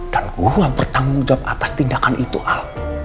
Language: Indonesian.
dan gue bertanggung jawab atas tindakan itu al